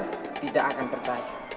saya bahkan tidak akan percaya